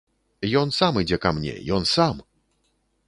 Ён сам ідзе ка мне, ён сам!